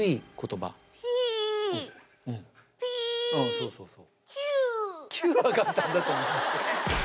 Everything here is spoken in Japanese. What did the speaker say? そうそうそう。